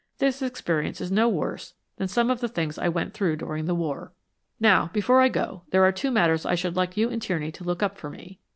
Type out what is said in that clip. This experience is no worse than some of the things I went through during the war." "Now, before I go, there are two matters I should like you and Tierney to look up for me.